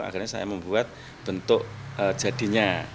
akhirnya saya membuat bentuk jadinya